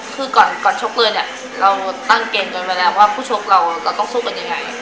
อ๋อคือก่อนชกเรื่องเนี่ยเราตั้งเกณฑ์กันไปแล้วว่าผู้ชกเราต้องชกเป็นยังไง